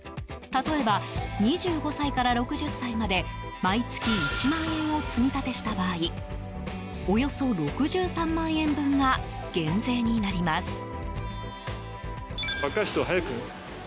例えば、２５歳から６０歳まで毎月１万円を積み立てした場合およそ６３万円分が減税になります。